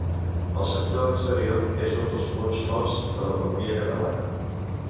El sector exterior és un dels punts forts de l'economia catalana.